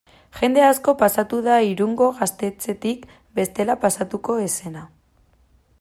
Jende asko pasatu da Irungo gaztetxetik bestela pasatuko ez zena.